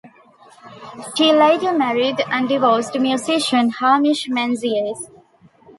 She later married and divorced musician Hamish Menzies.